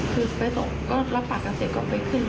คือไปตกรับปากเกษตรก็ไปขึ้น